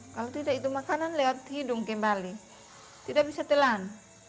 kalau tidak itu makanan lewat hidung kembali tidak bisa telan